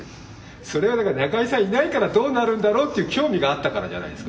それは中居さんいないからどうなるんだろうっていう興味があったからじゃないですか。